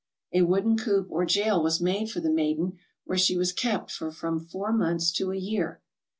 A wooden coop or jail was made for the maiden where she was kept for from four months to a year.